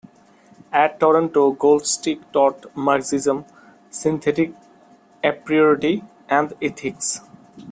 At Toronto, Goldstick taught Marxism, synthetic apriority, and ethics.